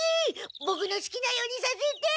ボクのすきなようにさせて！